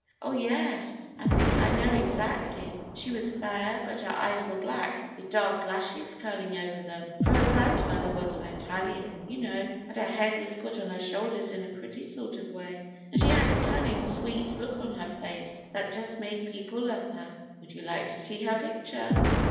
"Oh, yes; I think I know exactly. She was fair, but her eyes were black, with dark lashes curling over them, for her grandmother was an Italian, you know; and her head was put on her shoulders in a pretty sort of way, and she had a cunning, sweet look on her face that just made people love her." "Would you like to see her picture?"